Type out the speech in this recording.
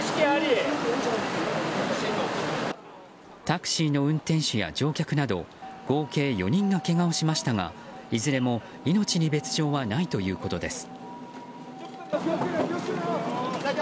タクシーの運転手や乗客など合計４人がけがをしましたがいずれも命に別条はないということです。